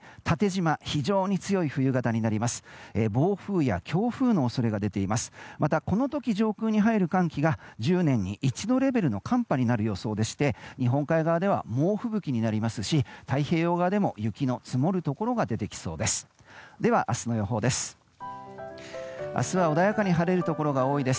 また、この時上空に入る寒気が１０年に一度レベルの寒波になる予想でして日本海側では猛吹雪になりますし太平洋側でも雪の積もるところが出てきそうです。